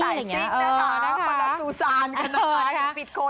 ไม่ใช่สายซิ่งคนละสูซานกันนะคะ